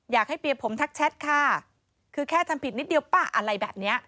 อยากให้เปียผมทักแชทค่ะคือแค่ทำผิดนิดเดียวป่ะอะไรแบบเนี้ย